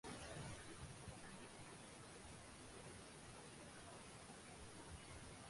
তিনি ভারতের নয়াদিল্লিতে জন্মগ্রহণ করেছিলেন এবং তিনি সেখানে বসবাস ও কাজ চালিয়ে যান।